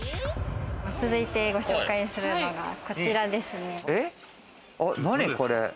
続いてご紹介するのがこちらですね。